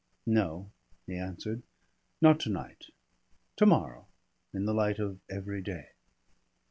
"No," he answered, "not to night. To morrow, in the light of everyday.